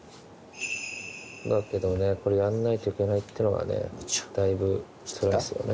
だけどねこれやんないといけないっていうのがねだいぶつらいっすよね。